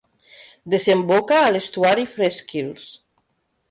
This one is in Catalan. Desemboca a l'estuari Fresh Kills.